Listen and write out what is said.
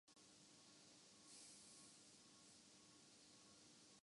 مجسموں سے تو برکت کا حصول ہو ہی رہا ہے